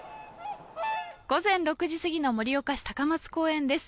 午前６時過ぎの盛岡市高松公園です。